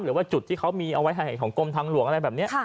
หรือว่าจุดที่เขามีเอาไว้ให้ของกรมทางหลวงอะไรแบบนี้